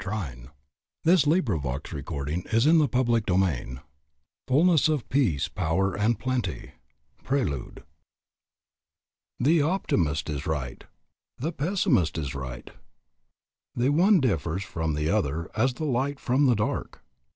ENTERING NOW INTO THE REALIZATION OF THE HIGHEST RICHES FULLNESS OF PEACE, POWER, AND PLENTY. PRELUDE. The optimist is right. The pessimist is right. The one differs from the other as the light from the dark.